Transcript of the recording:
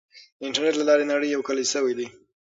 د انټرنیټ له لارې نړۍ یو کلی سوی دی.